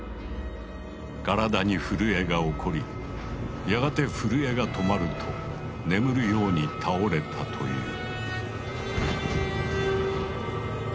体に震えが起こりやがて震えが止まると眠るように倒れたという。